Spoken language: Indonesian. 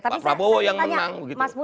pak prabowo yang menang